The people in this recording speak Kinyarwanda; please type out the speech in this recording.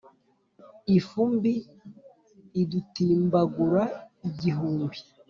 Ifumbi idutimbagura igihumbi